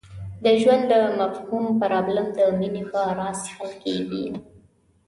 د ژوند د مفهوم پرابلم د مینې په راز حل کېږي.